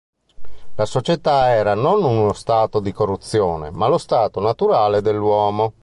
La società era non uno stato di corruzione, ma lo stato "naturale" dell'uomo.